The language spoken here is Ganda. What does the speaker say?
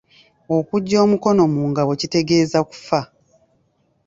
Okuggya omukono mu ngabo kitegeeza kufa.